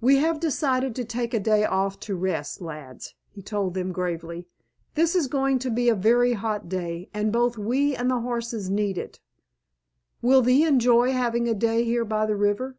"We have decided to take a day off to rest, lads," he told them gravely. "This is going to be a very hot day, and both we and the horses need it. Will thee enjoy having a day here by the river?"